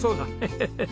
ヘヘヘ。